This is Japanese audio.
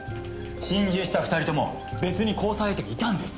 心中した２人とも別に交際相手がいたんです。